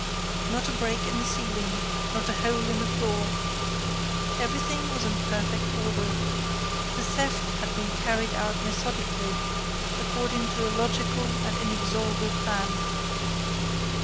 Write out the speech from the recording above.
Not a break in the ceiling; not a hole in the floor. Everything was in perfect order. The theft had been carried out methodically, according to a logical and inexorable plan.